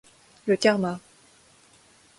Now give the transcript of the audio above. Le karma.